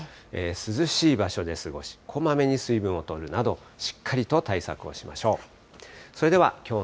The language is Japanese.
涼しい場所で過ごし、こまめに水分をとるなど、しっかりと対策をしましょう。